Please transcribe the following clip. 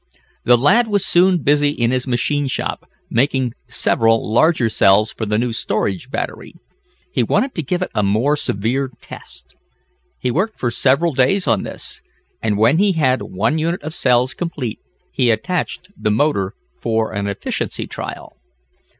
The lad was soon busy in his machine shop, making several larger cells for the new storage battery. He wanted to give it a more severe test. He worked for several days on this, and when he had one unit of cells complete, he attached the motor for an efficiency trial.